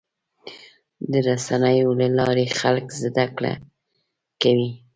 د رسنیو له لارې خلک زدهکړه کوي.